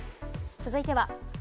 続いては。